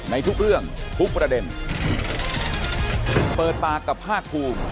ในทุกเรื่องทุกประเด็นเปิดปากกับภาคภูมิ